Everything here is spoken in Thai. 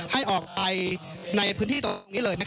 ให้ออกไปในพื้นที่ตรงนี้เลย